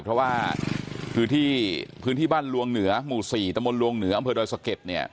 เพราะว่าพื้นที่บ้านลวงเหนือหมู่๔ตมลวงเหนืออำเภอดอยสะเก็ด